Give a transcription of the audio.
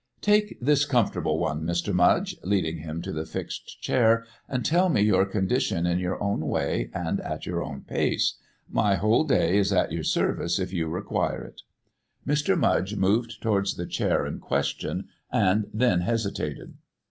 "Take this comfortable one, Mr. Mudge," leading him to the fixed chair, "and tell me your condition in your own way and at your own pace. My whole day is at your service if you require it." Mr. Mudge moved towards the chair in question and then hesitated.